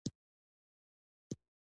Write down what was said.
د امپراتورۍ ګارډ ته یې مخه کړه